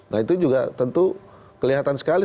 nah itu juga tentu kelihatan sekali